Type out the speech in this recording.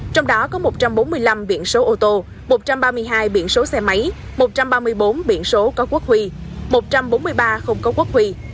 trong đó có một trăm bốn mươi năm biển số ô tô một trăm ba mươi hai biển số xe máy một trăm ba mươi bốn biển số có quốc huy một trăm bốn mươi ba không có quốc huy